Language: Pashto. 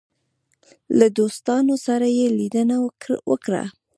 له دوستانو سره یې لیدنه وکړه.